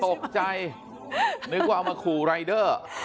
ตกใจนึกว่าเอามาขู่รายเดอร์